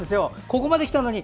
ここまできたのに。